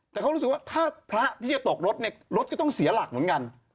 แต่เขารู้สึกว่าถ้าพระที่จะตกรถเนี่ยรถก็ต้องเสียหลักเหมือนกัน